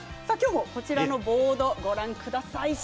きょうも、こちらのボードご覧ください。